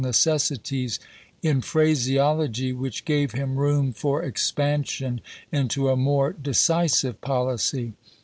iiecessities in phraseology which gave him room for expansion into a more decisive policy.